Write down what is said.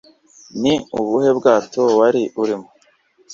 Ni ubuhe bwato wari urimo